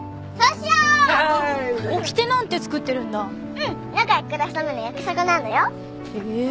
うん仲良く暮らすための約束なんだよ。へえ。